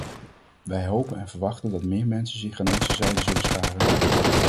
Wij hopen en verwachten dat meer mensen zich aan onze zijde zullen scharen.